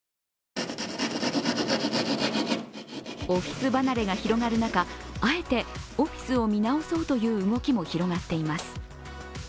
オフィス離れが広がる中あえてオフィスを見直そうという動きも広がっています。